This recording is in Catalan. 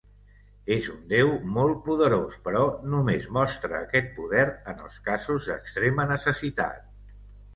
És un Déu molt poderós, però només mostra aquest poder en els casos d'extrema necessitat.